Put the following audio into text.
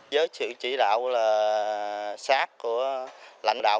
với sự chỉ đạo sát của lãnh đạo